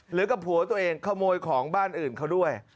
กับผัวตัวเองขโมยของบ้านอื่นเขาด้วย